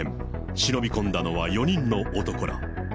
忍び込んだのは、４人の男ら。